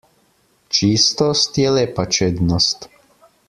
Čistost je lepa čednost.